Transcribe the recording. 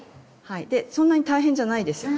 そんなに大変じゃないですよね？